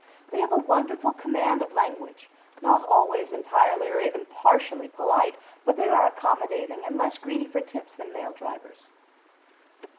They have a wonderful command of language, not always entirely or even partially polite, but they are accommodating and less greedy for tips than male drivers.